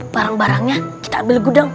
barang barangnya kita ambil gudang